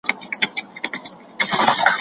را تېر سوی وي په کلیو په بانډو کي